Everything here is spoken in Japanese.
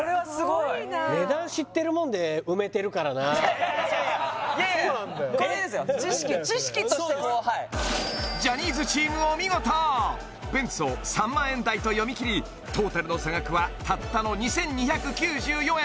いやいや知識としてこうはいジャニーズチームお見事ベンツを３００００円台と読み切りトータルの差額はたったの２２９４円